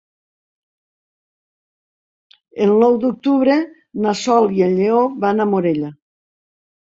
El nou d'octubre na Sol i en Lleó van a Morella.